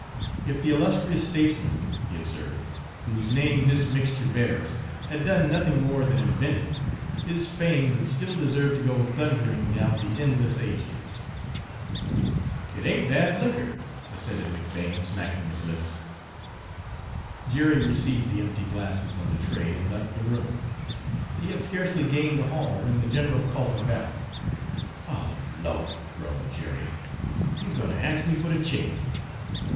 "If the illustrious statesman," he observed, "whose name this mixture bears, had done nothing more than invent it, his fame would still deserve to go thundering down the endless ages." "It ain't bad liquor," assented McBane, smacking his lips. Jerry received the empty glasses on the tray and left the room. He had scarcely gained the hall when the general called him back. "O Lawd!" groaned Jerry, "he's gwine ter ax me fer de change.